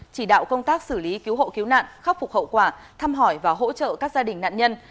chỉ đạo công tác xử lý cứu hộ cứu nạn khắc phục hậu quả thăm hỏi và hỗ trợ các gia đình nạn nhân